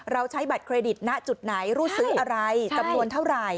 ใช้บัตรเครดิตณจุดไหนรูดซื้ออะไรจำนวนเท่าไหร่